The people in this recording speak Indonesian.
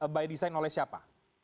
by design oleh siapa